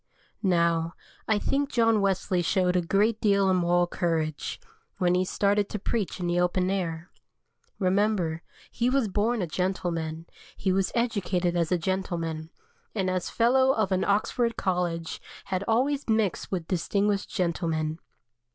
Now, I think John Wesley showed a great deal of moral courage when he started to preach in the open air. Remember, he was born a gentleman, he was educated as a gentleman, and as Fellow of an Oxford College had always mixed with distinguished gentlemen.